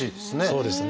そうですね。